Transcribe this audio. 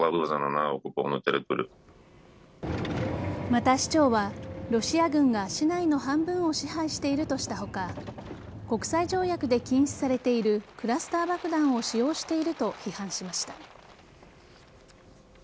また、市長はロシア軍が市内の半分を支配しているとした他国際条約で禁止されているクラスター爆弾を使用していると批判しました。